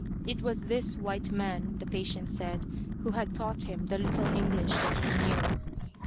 It was this white man, the patient said, who had taught him the little English that he knew.